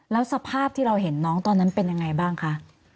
แล้วสภาพที่เราเห็นน้องตอนนั้นเป็นยังไงบ้างคะ